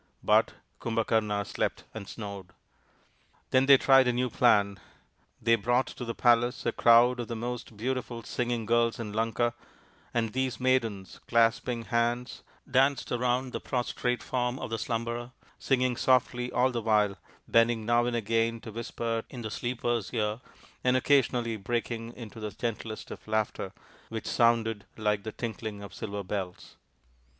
But Kumbhakarna slept and snored. Then they tried a new plan. They brought to the palace a crowd of the most beautiful singing girls in Lanka, and these maidens, clasping hands, danced round the prostrate form of the slumberer, singing softly all the while, bending now and again to whisper in the sleeper's ear, and occasionally breaking into the gentlest of laughter, which sounded like the tinkling of silver bells.